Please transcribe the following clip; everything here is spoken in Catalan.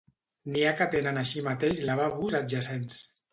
N'hi ha que tenen així mateix lavabos adjacents.